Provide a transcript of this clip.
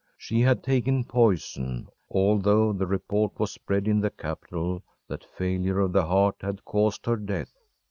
She had taken poison, although the report was spread in the capital that failure of the heart had caused her death.